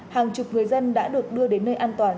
hàng chục người dân đã được đưa đến nơi an toàn